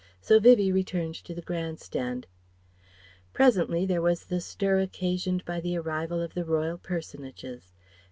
So Vivie returned to the Grand Stand. Presently there was the stir occasioned by the arrival of the Royal personages.